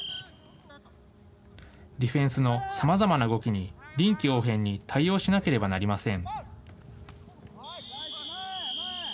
ディフェンスのさまざまな動きに臨機応変に対応しなければなりません。